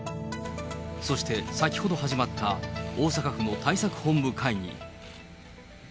そして先ほど始まった、大阪府の対策本部会議。